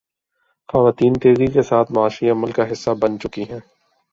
خواتین تیزی کے ساتھ معاشی عمل کا حصہ بن چکی ہیں۔